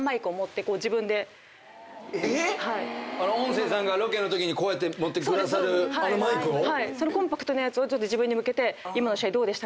あの音声さんがロケのときに持ってくださるあのマイクを⁉そのコンパクトなやつを自分に向けて今の試合どうでしたか？